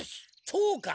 そうか。